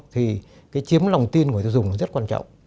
thì chiếm lòng tin của người tiêu dùng rất quan trọng